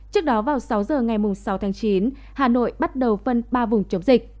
trước đó vào sáu giờ ngày sáu tháng chín hà nội bắt đầu phân ba vùng chống dịch